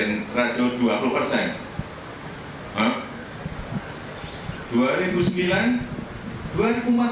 dua ribu sembilan dua ribu empat belas kenapa dulu enggak tamit